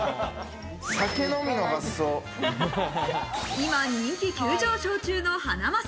今、人気急上昇中のハナマサ。